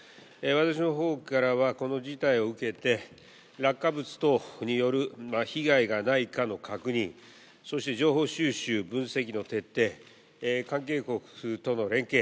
私のほうからはこの事態を受けて落下物等による被害がないかの確認そして、情報収集、分析の徹底関係国との連携